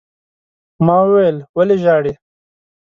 ما وويل: ولې ژاړې؟